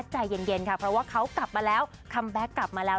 ใจเย็นค่ะเพราะว่าเขากลับมาแล้วคัมแบ็คกลับมาแล้ว